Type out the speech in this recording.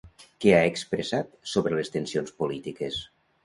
Què ha expressat sobre les tensions polítiques?